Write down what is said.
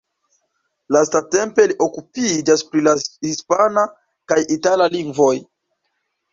Lastatempe li okupiĝas pri la hispana kaj itala lingvoj.